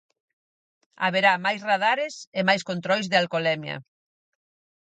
Haberá máis radares e máis controis de alcoholemia.